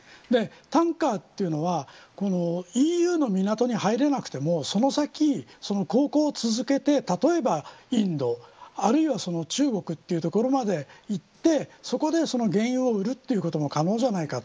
タンカーというのはＥＵの港に入れなくてもその先、航行を続けて例えばインドあるいは中国という所まで行ってそこで原油を売るということも可能じゃないか。